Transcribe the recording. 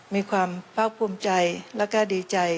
มีความเผาภูมิใจและก็ดีใจ